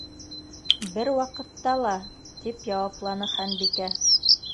—Бер ваҡытта ла, —тип яуапланы Ханбикә.